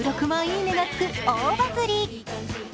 いいねがつく、大バズり。